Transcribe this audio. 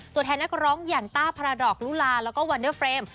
ตัวแทนนักร้องอย่างต้าพาราดอกลูลาแล้วก็วันเดอร์เฟรม